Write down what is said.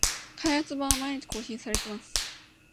開発版は毎日更新されます